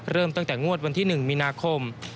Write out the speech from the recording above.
เริ่มตั้งแต่งวดวันที่๑มีนาคม